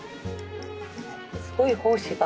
すごい胞子が。